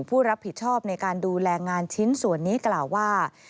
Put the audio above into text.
ผู้รับผิดชอบในการดูแลงานชิ้นส่วนนี้กล่าวว่า